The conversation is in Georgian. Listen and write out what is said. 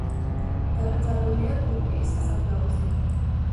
დაკრძალულია კუკიის სასაფლაოზე.